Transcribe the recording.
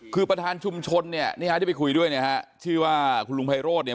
คือประธานชุมชนเนี่ยนี่ฮะที่ไปคุยด้วยเนี่ยฮะชื่อว่าคุณลุงไพโรธเนี่ย